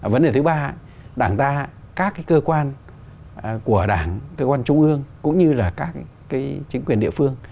vấn đề thứ ba đảng ta các cái cơ quan của đảng cơ quan trung ương cũng như là các chính quyền địa phương